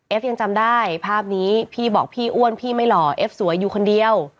ยังจำได้ภาพนี้พี่บอกพี่อ้วนพี่ไม่หล่อเอฟสวยอยู่คนเดียว